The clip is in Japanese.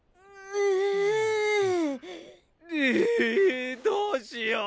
ううどうしよう！